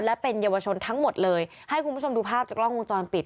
และเป็นเยาวชนทั้งหมดเลยให้คุณผู้ชมดูภาพจากกล้องวงจรปิด